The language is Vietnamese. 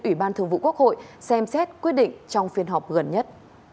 ủy ban thường vụ quốc hội xem xét quyết định trong phiên họp gần nhất